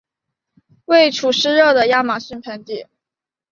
位处湿热的亚马逊盆地。